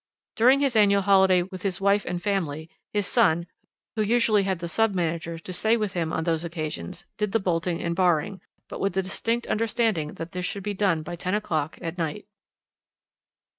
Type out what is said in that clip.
During his annual holiday, with his wife and family, his son, who usually had the sub manager to stay with him on those occasions, did the bolting and barring but with the distinct understanding that this should be done by ten o'clock at night.